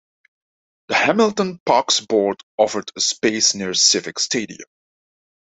The Hamilton Parks Board offered a space near Civic Stadium.